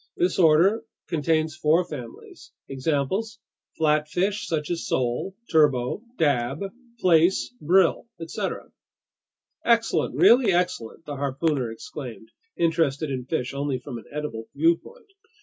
This order contains four families. Examples: flatfish such as sole, turbot, dab, plaice, brill, etc." "Excellent, really excellent!" the harpooner exclaimed, interested in fish only from an edible viewpoint.